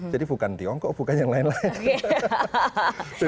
jadi bukan tiongkok bukan yang lain lain